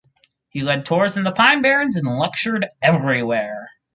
He led tours in the Pine Barrens and lectured everywhere.